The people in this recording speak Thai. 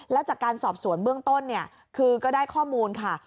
แล้วจากการสอบสวนเบื้องต้นเนี่ยคือก็ได้ข้อมูลค่ะ